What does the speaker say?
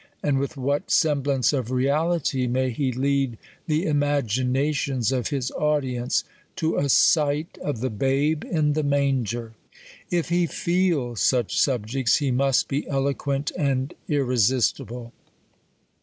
and with what semblance of reality may he lead the imaginations of his audience to a sight of th6 babe in the manger! l( he feel such subjects, he must be elo quent and irresistible.